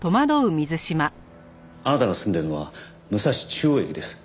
あなたが住んでるのは武蔵中央駅です。